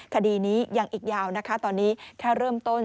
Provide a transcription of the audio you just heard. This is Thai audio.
คดีนี้ยังอีกยาวนะคะตอนนี้แค่เริ่มต้น